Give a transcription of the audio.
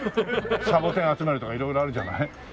サボテン集めるとか色々あるじゃない？